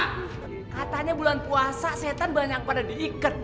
katanya bulan puasa setan banyak pada diikat